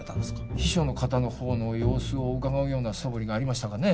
秘書の方のほうの様子をうかがうようなそぶりがありましたかね